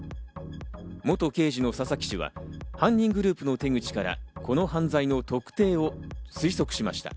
元刑事の佐々木氏は、犯人グループの手口からこの犯罪の特性を推測しました。